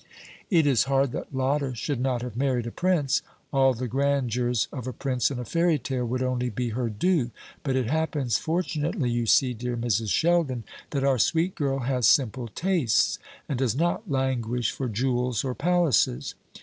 "It is hard that Lotta should not have married a prince all the grandeurs of a prince in a fairy tale would only be her due; but it happens fortunately, you see, dear Mrs. Sheldon, that our sweet girl has simple tastes, and does not languish for jewels or palaces.